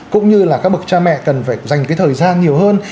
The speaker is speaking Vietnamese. cũng như là các bậc cha mẹ cần phải dành thời gian nhiều hơn